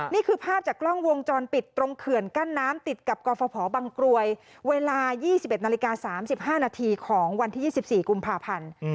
นี่คือภาพจากกล้องวงจรปิดตรงเขื่อนกั้นน้ำติดกับกรฟภบังกรวยเวลา๒๑นาฬิกา๓๕นาทีของวันที่๒๔กุมภาพันธ์